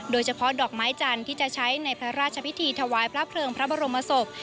โดยเฉพาะดอกไม้จันทร์ที่จะใช้ในพระราชพิธีถวายพระเพลิงพระบรมศพ